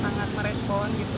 sangat merespon gitu